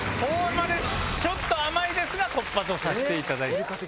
ちょっと甘いですが突破とさせていただきます。